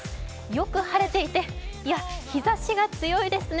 よく晴れていて、いや、日ざしが強いですね。